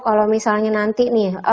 kalau misalnya nanti nih